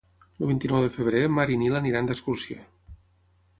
El vint-i-nou de febrer na Mar i en Nil iran d'excursió.